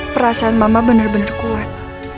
perasaan mama bener bener kuat